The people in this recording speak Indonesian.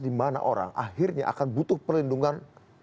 dimana orang akhirnya akan butuh perlindungan